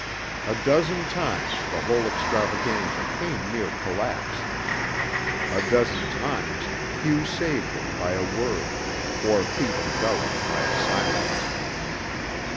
A dozen times the whole extravaganza came near collapse; a dozen times Hugh saved it by a word, or Pete and Bella by a silence.